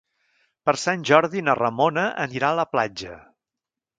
Per Sant Jordi na Ramona anirà a la platja.